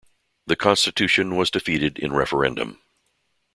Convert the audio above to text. The constitution was defeated in referendum.